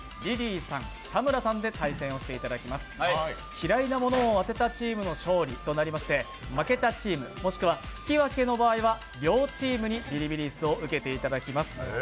嫌いなものを当て他チームの勝利となりまして負けたチーム、もしくは引き分けの場合は両チームにビリビリ椅子を受けていただきます